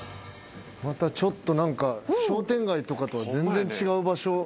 またちょっと何か商店街とかとは全然違う場所。